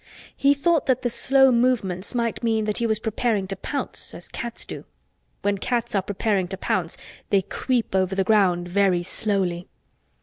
He thought that the slow movements might mean that he was preparing to pounce, as cats do. When cats are preparing to pounce they creep over the ground very slowly.